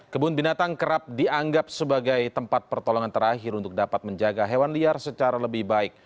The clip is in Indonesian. kebun binatang kerap dianggap sebagai tempat pertolongan terakhir untuk dapat menjaga hewan liar secara lebih baik